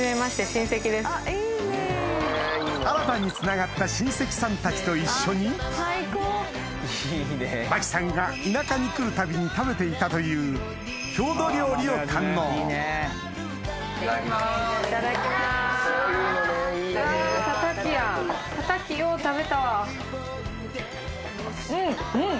新たにつながった親戚さんたちと一緒に麻貴さんが田舎に来るたびに食べていたという郷土料理を堪能うんうん！